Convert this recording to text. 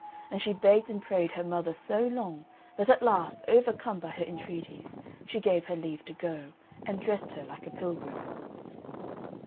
And she begged and prayed her mother so long, that at last, overcome by her entreaties, she gave her leave to go, and dressed her like a pilgrim.